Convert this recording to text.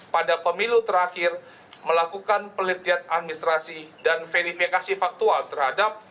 pada pemilu terakhir melakukan pelitian administrasi dan verifikasi faktual terhadap